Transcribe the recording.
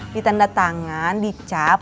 ditanda tangan dicap